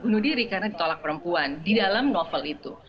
bunuh diri karena ditolak perempuan di dalam novel itu